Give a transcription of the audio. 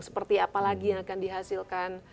seperti apa lagi yang akan dihasilkan